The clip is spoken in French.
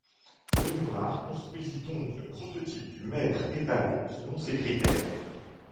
Lenoir construisit donc le prototype du mètre-étalon selon ces critères.